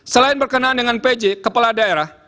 selain berkenaan dengan pj kepala daerah